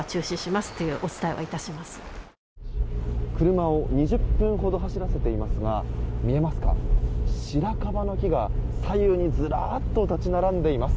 車を２０分ほど走らせていますが見えますか、白樺の木が左右にずらっと立ち並んでいます。